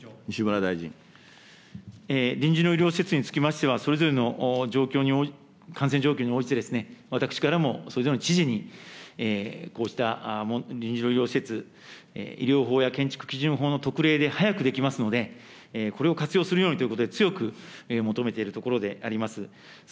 臨時の医療施設につきましては、それぞれの状況に、感染状況に応じて、私からもそれぞれの知事に、こうした臨時の医療施設、医療法や建築基準法の特例で早くできますので、これを活用するようにということで、強く求めているところであります。